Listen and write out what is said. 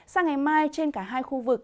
sang ngày mai trên cả hai khu vực